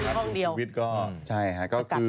เขาอยู่ห้องเดียวสกัดพันธุ์ใช่ค่ะก็คือ